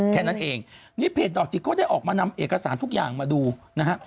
แค่นั้นเองนี่เพจดอกจิกเขาได้ออกมานำเอกสารทุกอย่างมาดูนะฮะ